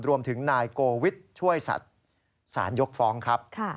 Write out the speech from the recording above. รวมถึงนายโกวิทช่วยสัตว์สารยกฟ้องครับ